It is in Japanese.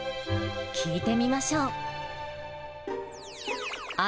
聞いてみましょう。